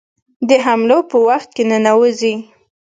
د حملو په وخت کې ننوزي.